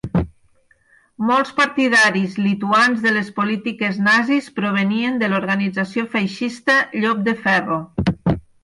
Molts partidaris lituans de les polítiques nazis provenien de l'organització feixista Llop de Ferro.